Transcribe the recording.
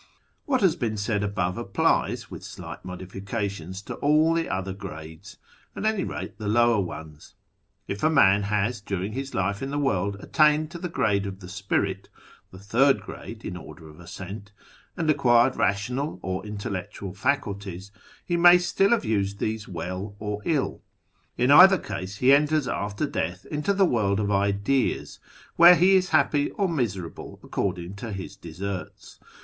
What has been said above applies, with slight modifica tions, to all the other grades, at any rate the lower ones. If a man has during his life in the world attained to the grade of the spirit (the third grade in order of ascent) and acquired rational or intellectual faculties, he may still have used these well or ill. In either case he enters after death into the World of Ideas, where he is happy or miserable according to his deserts.